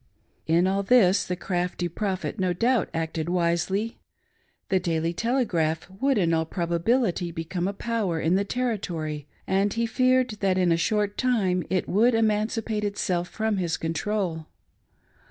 In all this the crafty Prophet no doubt acted wisely. The Daily Telegraph would in all probability become a power in the Territory, and he feared that in a short time it would emancipate itself from his control.